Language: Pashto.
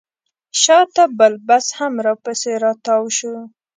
شاته بل بس هم راپسې راتاو شو.